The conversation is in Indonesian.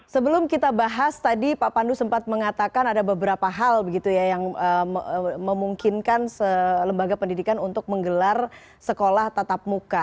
sebelum kita bahas tadi pak pandu sempat mengatakan ada beberapa hal begitu ya yang memungkinkan lembaga pendidikan untuk menggelar sekolah tatap muka